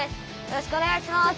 よろしくお願いします。